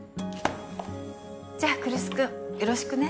じゃあ来栖君よろしくね。